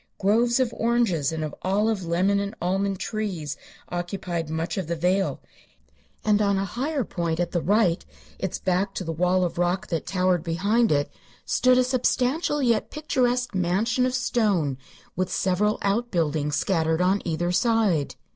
Groves of oranges and of olive, lemon and almond trees occupied much of the vale, and on a higher point at the right, its back to the wall of rock that towered behind it, stood a substantial yet picturesque mansion of stone, with several outbuildings scattered on either side.